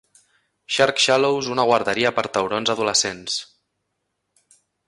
Shark Shallows una guarderia per taurons adolescents.